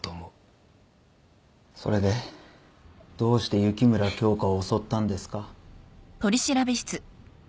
それでどうして雪村京花を襲ったんですか？